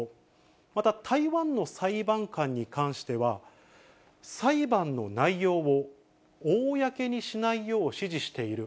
また台湾の裁判官に関しては、裁判の内容を公にしないよう指示している。